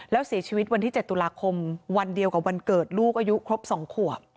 แล้วเสียชีวิตวันที่๗ตุลาคมวันเดียวกับวันเกิดลูกอายุครบ๒ขวบ